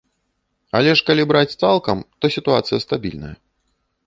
Але ж калі браць цалкам, то сітуацыя стабільная.